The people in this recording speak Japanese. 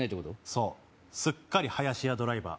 そうすっかり林家ドライバー